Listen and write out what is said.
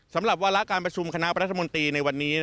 สำหรับวาระการประชุมคณะรัฐมนตรีในวันนี้